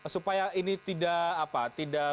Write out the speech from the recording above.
supaya ini tidak